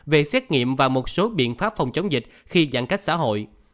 về xét nghiệm và một số biện pháp phòng chống dịch khi giãn cách xã hội